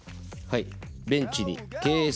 はい。